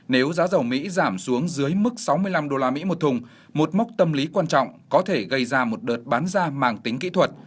nếu giá dầu mỹ giảm xuống dưới mức sáu mươi năm usd một thùng một mốc tâm lý quan trọng có thể gây ra một đợt bán ra mang tính kỹ thuật